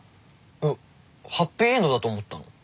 えハッピーエンドだと思ったの？